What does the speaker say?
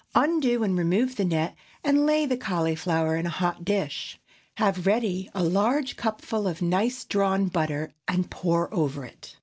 Undo and remove the net, and lay the cauliflower in a hot dish. Have ready a large cupful of nice drawn butter and pour over it.